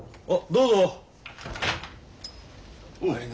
どうぞ。